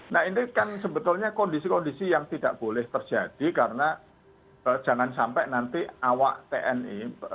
nah ini kan sebetulnya kondisi kondisi yang tidak boleh terjadi karena jangan sampai nanti awak tni